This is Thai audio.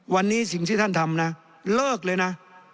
วันนี้สิ่งที่ท่านทำนะเลิกเลยนะ